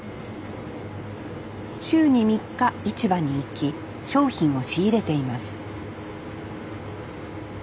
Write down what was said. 週に３日市場に行き商品を仕入れています